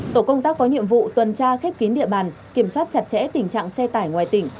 tổ công tác có nhiệm vụ tuần tra khép kín địa bàn kiểm soát chặt chẽ tình trạng xe tải ngoài tỉnh